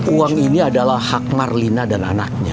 uang ini adalah hak marlina dan anaknya